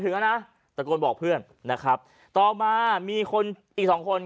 แล้วนะตะโกนบอกเพื่อนนะครับต่อมามีคนอีกสองคน